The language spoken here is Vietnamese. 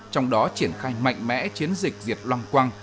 trong đó triển khai mạnh mẽ chiến dịch diệt loang quang